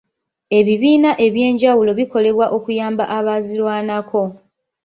Ebibiina eby'enjawulo bikolebwa okuyamba abazirwanako.